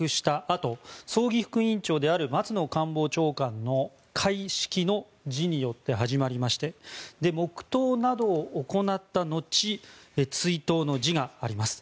あと葬儀副委員長である松野官房長官の開式の辞によって始まりまして黙祷などを行った後追悼の辞があります。